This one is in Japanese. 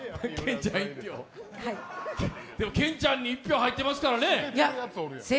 健ちゃんに１票入ってますからね。